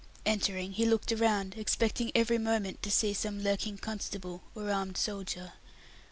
Entering, he looked around, expecting every moment to see some lurking constable, or armed soldier.